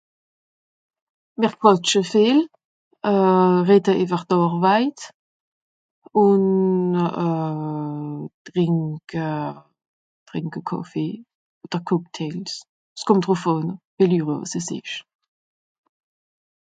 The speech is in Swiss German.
On papote beaucoup ,parle du travail, boit du café ou des cocktails ça depend